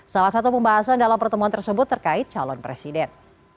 salah satu pembahasan dalam pertemuan tersebut terkait calon presiden